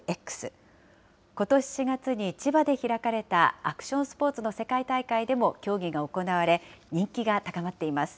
ことし４月に、千葉で開かれたアクションスポーツの世界大会でも競技が行われ、人気が高まっています。